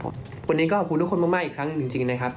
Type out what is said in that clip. วันนี้ก็ขอบคุณทุกคนมากอีกครั้งหนึ่งจริงนะครับ